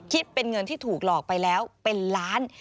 คิดเป็นเงินที่ถูกหลอกไปแล้วเป็นล้าน